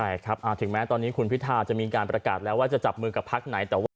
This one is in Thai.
ใช่ครับถึงแม้ตอนนี้คุณพิธาจะมีการประกาศแล้วว่าจะจับมือกับพักไหนแต่ว่า